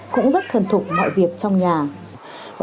cũng rất thân thục mọi việc trong nhà